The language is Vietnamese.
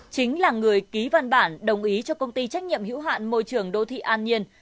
chính là người ký văn bản đồng ý cho công ty trách nhiệm hữu hạn môi trường đô thị an nhiên